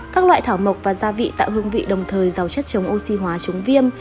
các loại thảo mộc và gia vị tạo hương vị đồng thời giàu chất chống oxy hóa chống viêm